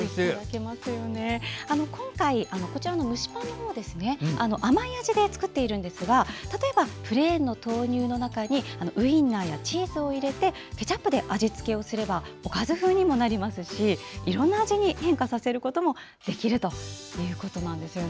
今回、蒸しパンは甘い味で作っているんですが例えば、プレーンの豆乳の中にウインナーやチーズを入れてケチャップで味付けをすればおかず風にもなりますしいろんな味に変化させることもできるということでした。